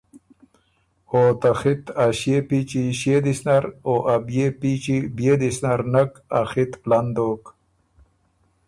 او ته خط ا ݭيې پیچی ݭيې دِس نر او ا بيې پیچی بيې دِس نر نک ا خِط پلن دوک۔